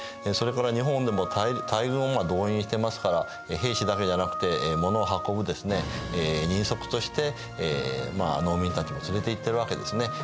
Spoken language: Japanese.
それから日本でも大軍を動員していますから兵士だけじゃなくて物を運ぶですね人足としてまあ農民たちも連れていってるわけですね。